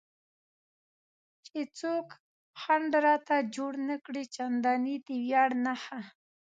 چې څوک خنډ راته جوړ نه کړي، چندانې د ویاړ نښه.